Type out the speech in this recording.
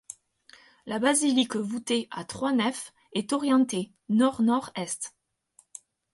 La basilique voûtée à trois nefs est orientée nord-nord-est.